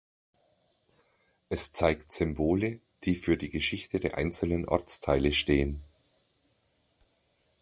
Es zeigt Symbole die für die Geschichte der einzelnen Ortsteile stehen.